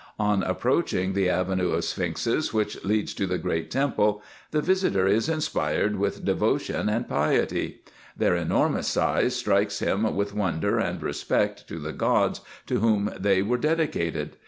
On approaching the avenue of sphinxes, which leads to the great temple, the visiter is inspired with devotion and piety : their enormous size strikes him with wonder and respect to the Gods, to whom they were dedicated.